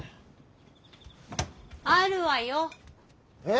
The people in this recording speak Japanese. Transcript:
あるわよ。え？